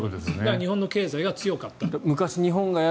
日本の経済が強かった。